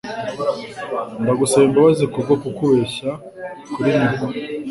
Ndagusaba imbabazi kubwo kukubeshya kuri nyoko.